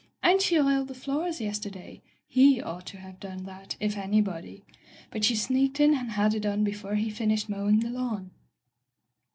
And she oiled the floors yester day. He ought to have done that, if any body. But she sneaked in and had it done before he finished mowing the lawn."